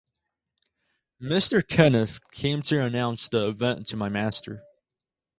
Mr. Kenneth came to announce the event to my master.